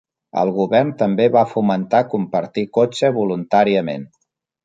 El govern també va fomentar compartir cotxe voluntàriament.